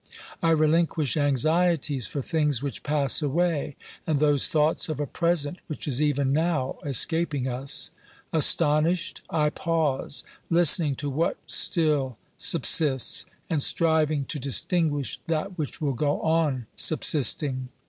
I relinquish anxieties for things which pass away, and those thoughts of a present which is even now escaping us. Astonished, I pause, listening to what still subsists, and striving to distinguish that which will go on subsisting.